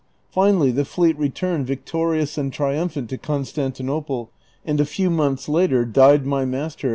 Finally tlie fleet returned victorious and triumph ant to Constantinople, and a few months later died my master.